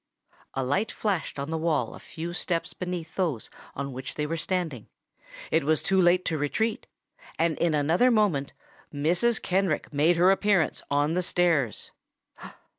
A light flashed on the wall a few steps beneath those on which they were standing: it was too late to retreat; and in another moment Mrs. Kenrick made her appearance on the stairs.